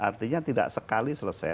artinya tidak sekali selesai